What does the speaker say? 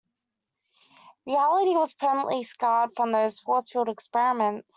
Reality was permanently scarred from those force field experiments.